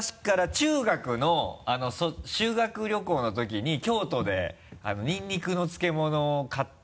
中学の修学旅行のときに京都でニンニクの漬物を買って。